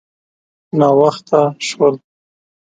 _ناوخته شول.